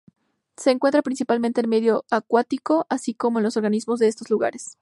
Se encuentra principalmente en medio acuático, así como en los organismos de estos lugares.